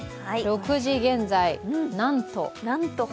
６時現在、なんと。